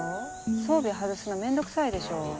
装備外すの面倒くさいでしょ。